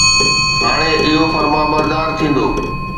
هاڻي اهو فرمانبردار ٿيندو.